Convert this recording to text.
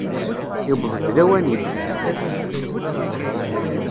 Yewweḍ-d lawan-ik!